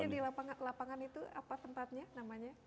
di lapangan itu apa tempatnya namanya